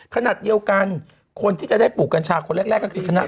ขนาดเดียวกันคนที่จะได้ปลูกกัญชาคนแรกก็คือคณะ